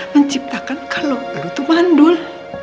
menciptakan kalau lu tuh mandul